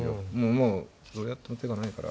もうどうやっても手がないから。